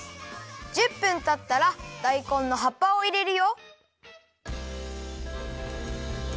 １０分たったらだいこんの葉っぱをいれるよ。